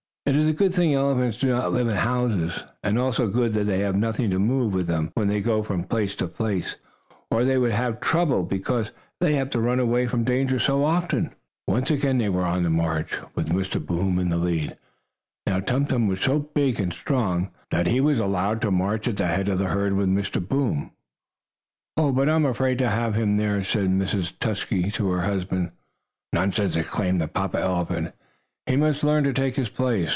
It is a good thing elephants do not live in houses, and also good that they have nothing to move with them, when they go from place to place, or they would have trouble, because they have to run away from danger so often. Once again they were on the march, with Mr. Boom in the lead. Now Tum Tum was so big and strong, that he was allowed to march at the head of the herd with Mr. Boom. "Oh, but I am afraid to have him there," said Mrs. Tusky to her husband. "Nonsense!" exclaimed the papa elephant. "He must learn to take his place.